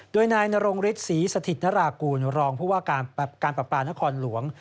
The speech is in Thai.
โดยนายนรงฤทธิศรีสถิตนรากูลรองผู้ว่าการปราปานครหลวง